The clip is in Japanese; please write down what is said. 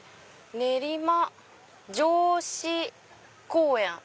「練馬城址公園」。